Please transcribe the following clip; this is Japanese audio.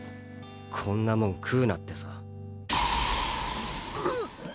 こんなもん食うなってさ。